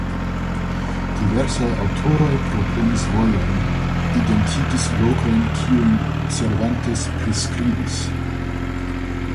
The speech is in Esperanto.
Diversaj aŭtoroj proponis vojojn, identigis lokojn kiujn Cervantes priskribis.